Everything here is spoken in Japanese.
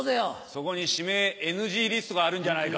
そこに指名ＮＧリストがあるんじゃないか。